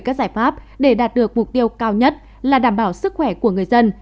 các giải pháp để đạt được mục tiêu cao nhất là đảm bảo sức khỏe của người dân